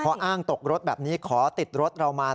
พออ้างตกรถแบบนี้ขอติดรถเรามา